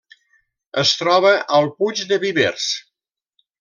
Es troba al Puig de Vivers.